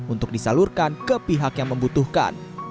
untuk disalurkan ke pihak yang membutuhkan